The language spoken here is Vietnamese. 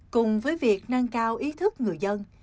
cùng với việc nâng cao ý thức người dân